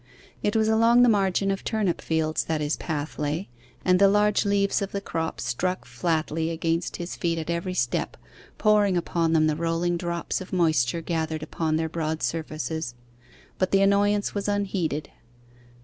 It was along the margin of turnip fields that his path lay, and the large leaves of the crop struck flatly against his feet at every step, pouring upon them the rolling drops of moisture gathered upon their broad surfaces; but the annoyance was unheeded.